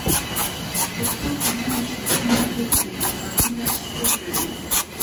خو ټول پوهېږو چې په سيمه کې د بې ثباتۍ نقشې څوک جوړوي